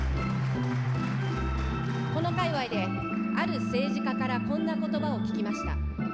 この界わいで、ある政治家から、こんなことばを聞きました。